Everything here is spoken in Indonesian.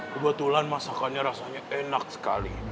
kebetulan masakannya rasanya enak sekali